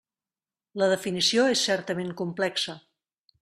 La definició és certament complexa.